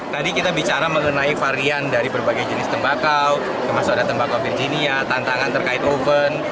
tadi kita bicara mengenai varian dari berbagai jenis tembakau termasuk ada tembakau virginia tantangan terkait oven